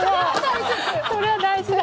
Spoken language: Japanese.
それは大事だ。